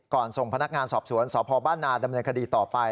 ส่งพนักงานสอบสวนสพบ้านนาดำเนินคดีต่อไป